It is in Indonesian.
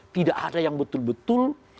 tidak ada yang betul betul berbicara tentang itu